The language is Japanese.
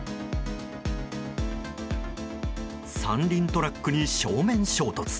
三輪トラックに正面衝突。